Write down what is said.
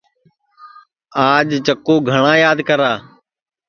آج چکُو گھٹؔا یاد کرا